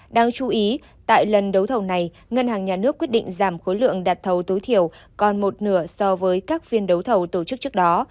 đáng chú ý tại lần đấu thầu này ngân hàng nhà nước quyết định giảm khối lượng đặt thầu tối thiểu còn một nửa so với các phiên đấu thầu tổ chức trước đó